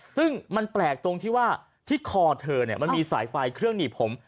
ซึ่งมันแปลกตรงที่ว่าที่คอเธอมันมีสายไฟเครื่องหนีบผม